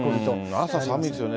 朝、寒いですよね。